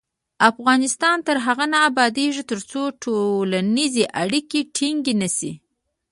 افغانستان تر هغو نه ابادیږي، ترڅو ټولنیزې اړیکې ټینګې نشي.